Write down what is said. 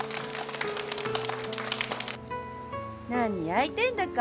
何やいてんだか。